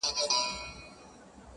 درد وچاته نه ورکوي ـ